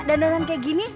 dandan dandan kayak gini